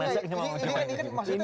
ini kan maksudnya